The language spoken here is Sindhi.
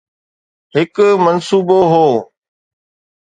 هڪ منصوبو هو.